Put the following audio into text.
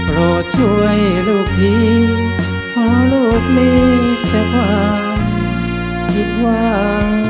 รอช่วยลูกยิงเพราะลูกมีแต่ความคิดว่า